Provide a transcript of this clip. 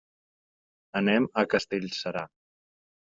Anem a Castellserà.